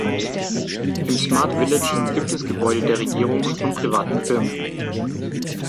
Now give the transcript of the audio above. Im Smart Village gibt es Gebäude der Regierung und von privaten Firmen.